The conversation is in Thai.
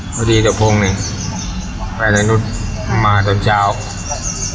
พอดีก็พงษ์นี่แฟนธนุษย์มาตอนเช้ามาตอนเช้าเลย